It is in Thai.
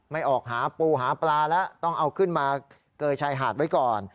ไม่ออกหาปูหาปลาแล้วต้องเอาขึ้นมาเกยชายหาดไว้ก่อน